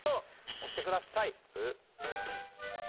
押してください。